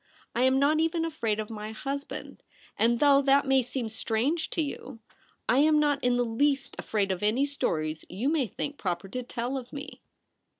I am not even afraid of my husband ; and, though that may seem strange to you, I am not in the least afraid of any stories you may think proper to tell of me.